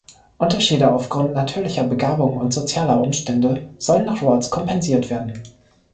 Unterschiede aufgrund natürlicher Begabung und sozialer Umstände sollen nach Rawls kompensiert werden.